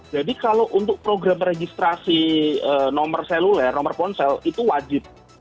jadi kalau untuk program registrasi nomor seluler nomor ponsel itu wajib